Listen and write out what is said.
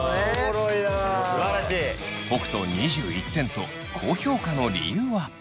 北斗２１点と高評価の理由は？